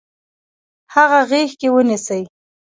هغه غیږ کې ونیسئ.